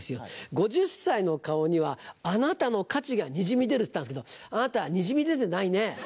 「５０歳の顔にはあなたの価値がにじみ出る」っつったんですけどあなたにじみ出てないね。